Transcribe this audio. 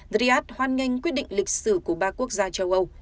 riah hoan nghênh quyết định lịch sử của ba quốc gia châu âu